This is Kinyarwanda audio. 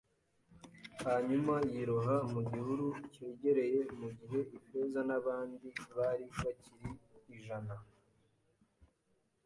hanyuma yiroha mu gihuru cyegereye mugihe Ifeza nabandi bari bakiri ijana